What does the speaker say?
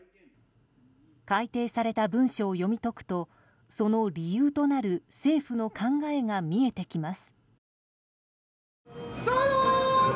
改訂された文書を読み解くとその理由となる政府の考えが見えてきます。